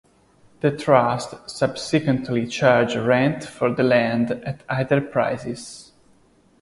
The Trust subsequently charged rent for the land at higher prices.